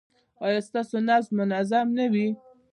ایا ستاسو نبض به منظم نه وي؟